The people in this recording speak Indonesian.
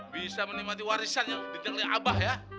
bisa menikmati warisan yang ditelit abah ya